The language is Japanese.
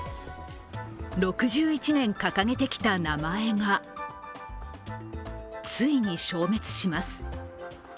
６１年掲げてきた名前がついに消滅します。